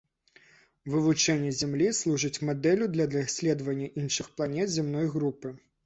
Вывучэнне зямлі служыць мадэллю для даследавання іншых планет зямной групы.